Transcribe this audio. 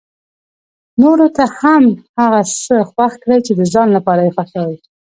نورو ته هم هغه څه خوښ کړي چې د ځان لپاره يې خوښوي.